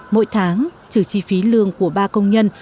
mỗi tháng trừ chi phí lương của ba công nhân